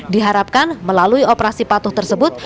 diharapkan melalui operasi patuh tersebut